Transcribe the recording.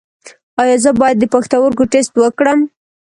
ایا زه باید د پښتورګو ټسټ وکړم؟